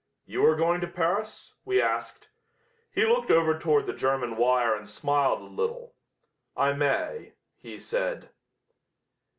"You are going to Paris?" we asked. He looked over toward the German wire and smiled a little. "I may," he said.